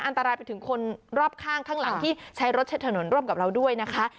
อันตรายไปถึงคนรอบข้างข้างหลังที่ใช้รถใช้ถนนร่วมกับเราด้วยนะคะ